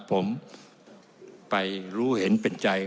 ผมไปรู้เห็นเป็นใจ